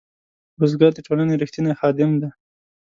بزګر د ټولنې رښتینی خادم دی